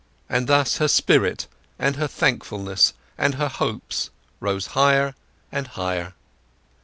And thus her spirits, and her thankfulness, and her hopes, rose higher and higher.